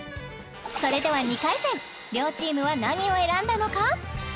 それでは２回戦両チームは何を選んだのか？